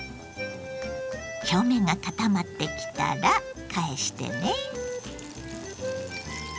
表面が固まってきたら返してね。